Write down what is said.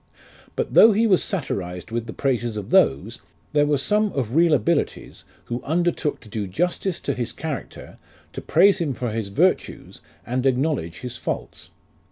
But though he was satirized with the praises of those, there were some of real abilities who undertook to do justice to his character, to praise him for his virtues, and acknowledge his faults.